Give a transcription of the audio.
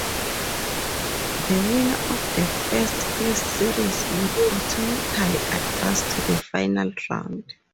The winner of the first place series would automatically advance to the final round.